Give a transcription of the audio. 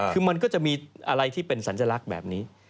คือมันก็จะมีอะไรที่เป็นสัญลักษณ์แบบนี้